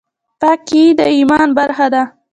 پاکي د ایمان برخه ده